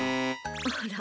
あら。